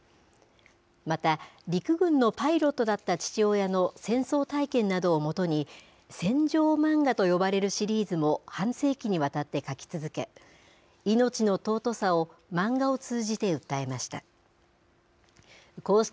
また、陸軍のパイロットだった父親の戦争体験などを基に、戦場漫画と呼ばれるシリーズも半世紀にわたって描き続け、命の尊さを漫画を通じて訴えました。